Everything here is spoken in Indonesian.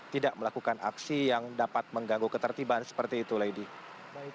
tidak melakukan aksi yang dapat mengganggu ketertiban seperti itu lady